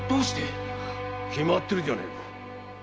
決まってるじゃねぇか。